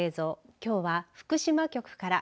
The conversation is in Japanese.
きょうは、福島局から。